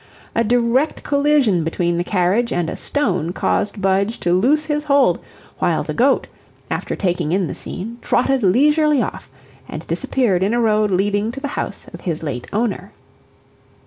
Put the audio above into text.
A direct collision between the carriage and a stone caused Budge to loose his hold, while the goat, after taking in the scene, trotted leisurely off, and disappeared in a road leading to the house of his late owner.